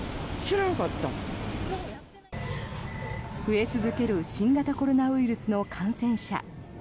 増え続ける新型コロナウイルスの感染者。